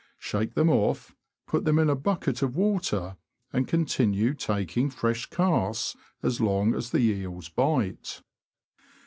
Shake them off, put them in a bucket of water, and continue taking fresh casts as long as the eels bite.